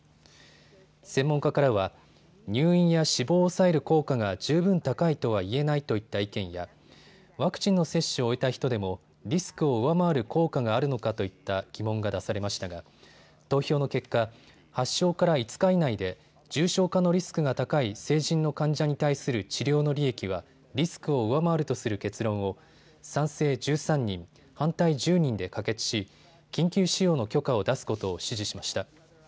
専門家からは入院や死亡を抑える効果が十分高いとは言えないといった意見やワクチンの接種を終えた人でもリスクを上回る効果があるのかといった疑問が出されましたが投票の結果、発症から５日以内で重症化のリスクが高い成人の患者に対する治療の利益はリスクを上回るとする結論を賛成１３人、反対１０人で可決し緊急使用の許可を出すことを支持しました。